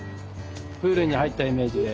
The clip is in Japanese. プールに入ったイメージで。